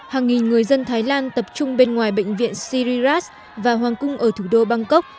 hàng nghìn người dân thái lan tập trung bên ngoài bệnh viện siriras và hoàng cung ở thủ đô bangkok